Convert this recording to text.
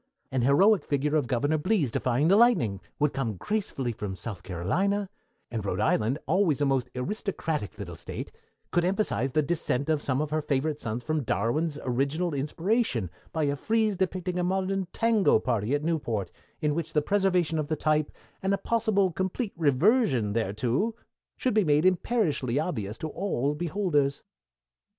An heroic figure of Governor Blease defying the lightning would come gracefully from South Carolina, and Rhode Island, always a most aristocratic little State, could emphasize the descent of some of her favorite sons from Darwin's original inspiration by a frieze depicting a modern tango party at Newport, in which the preservation of the type, and a possible complete reversion thereto, should be made imperishably obvious to all beholders.